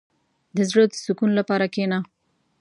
• د زړۀ د سکون لپاره کښېنه.